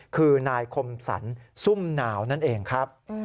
คือนายคมสรรซุ่มหนาวนั่นเองครับ